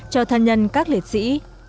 cho thân nhân các liệt sĩ